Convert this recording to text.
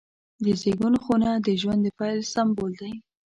د زیږون خونه د ژوند د پیل سمبول دی.